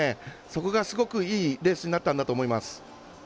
そこが、すごくいいレースになったんだと思います。